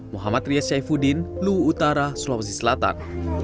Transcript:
muhammad riaz syaifuddin luwutara sulawesi selatan